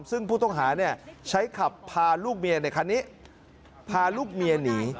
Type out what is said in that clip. ซึ่งผู้ต้องหาใช้ขับพาลูกเมียในคันนี้พาลูกเมียหนี